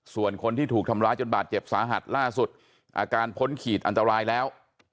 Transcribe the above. ส่วนคนที่ถูกทำร้ายจนบาดเจ็บสาหัสล่าสุดอาการพ้นขีดอันตรายแล้ว